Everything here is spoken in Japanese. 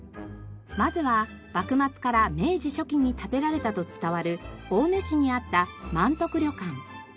まずは幕末から明治初期に建てられたと伝わる青梅市にあった万徳旅館。